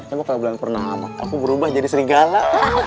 tapi kalau bulan pernama aku berubah jadi serigala